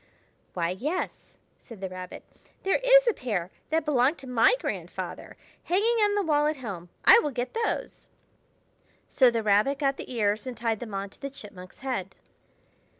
"Why, yes," said the Rabbit. "There is a pair that belonged to my grandfather, hanging on the wall at home. I will get those." So the Rabbit got the ears and tied them on to the Chipmunk's head.